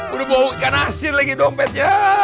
udah bau ikan asin lagi dompetnya